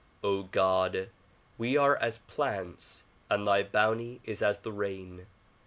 God ! We are as plants and thy bounty is as the rain.